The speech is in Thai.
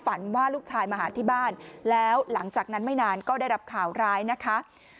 ว่าลูกชายมาหาที่บ้านแล้วหลังจากนั้นไม่นานก็ได้รับข่าวร้ายนะคะ